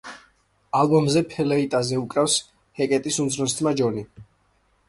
ალბომზე ფლეიტაზე უკრავს ჰეკეტის უმცროსი ძმა, ჯონი.